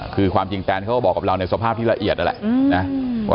คือความจริงแตนเขาก็บอกกับเราในสภาพที่ละเอียดนั่นแหละนะ